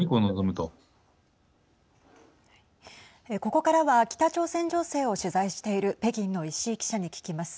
ここからは北朝鮮情勢を取材している北京の石井記者に聞きます。